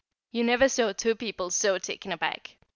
You never saw two people so taken aback.